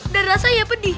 dan rasanya pedih